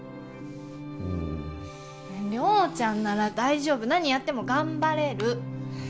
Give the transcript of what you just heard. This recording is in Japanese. うん亮ちゃんなら大丈夫何やっても頑張れる